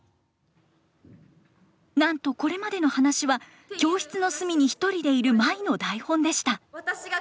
なんとこれまでの話は教室の隅に独りでいる舞の台本でした。